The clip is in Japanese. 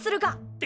って